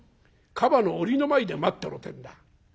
『カバの檻の前で待ってろ』ってんだ。